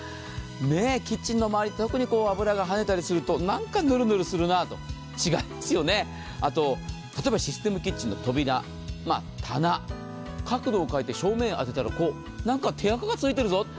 キッチンの周り、特に油がはねたりすると、何かぬるぬるするな、違いますよね、あと例えばシステムキッチンの扉、棚、角度を変えて照明を当てたら何か汚れがついているぞと。